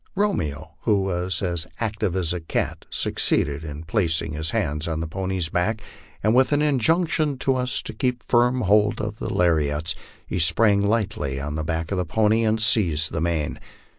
Romeo, who was as active as a cat, suc ceeded in placing his hands on the pony's back, and with an injunction to us to keep firm hold on the lariats, he sprang lightly upon the back of the pony and seized the mane.